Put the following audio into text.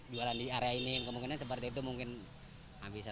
jualan di area ini yang kemungkinan seperti itu mungkin bisa